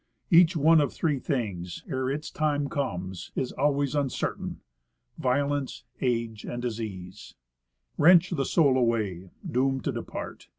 Each one of three things, ere its time comes, Is always uncertain: violence, age, and disease Wrench the soul away, doomed to depart.